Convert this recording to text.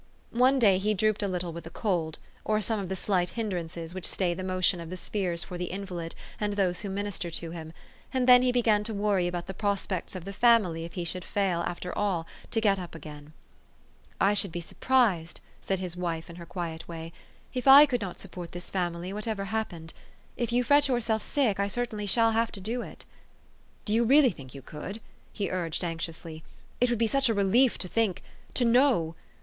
One day he drooped a little with a cold, or some of the slight hinderances which stay the motion of the spheres for the invalid and those who minister to him ; and then he began to worry about the pros pects of the family if he should fail, after all, to get up again. THE STORY OF AVIS. 405 "I should be surprised," said his wife in her quiet way, " if I could not support this family, whatever happened. If you fret yourself sick, I shall certainly have to do it." " Do you really think you could ?" he urged anx iously. " It would be such a relief to think to know!